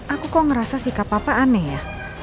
aku kok ngerasa sikap papa aneh ya